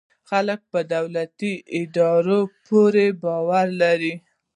خلک په دولتي ادارو پوره باور لري.